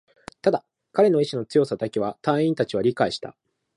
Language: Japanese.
ただ、彼の意志の強さだけは隊員達は理解した